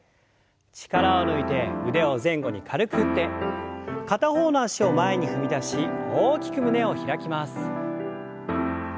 力を抜いて腕を前後に軽く振って片方の脚を前に踏み出し大きく胸を開きます。